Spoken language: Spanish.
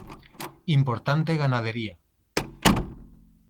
Importante ganadería.